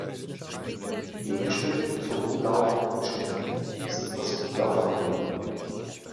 Gegenstück zu umlaufenden Beständen ist das Umlaufvermögen.